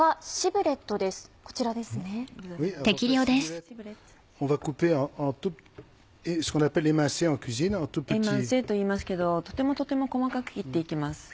エマンセといいますけどとてもとても細かく切って行きます。